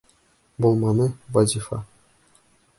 Булманы, Вазифа.